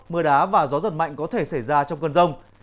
mưa đá và gió giật mạnh có thể xảy ra trong cơn rông